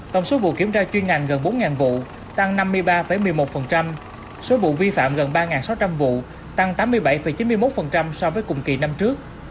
tổng số vụ kiểm tra chuyên ngành gần bốn vụ tăng năm mươi ba một mươi một số vụ vi phạm gần ba sáu trăm linh vụ tăng tám mươi bảy chín mươi một so với cùng kỳ năm trước